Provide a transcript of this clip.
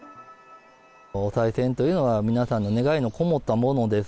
おさい銭というのは、皆さんの願いの込もったものです。